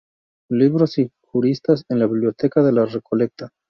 Libros y juristas en la Biblioteca de La Recoleta".